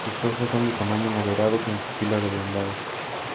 Sus ojos son de tamaño moderado, con pupilas redondas.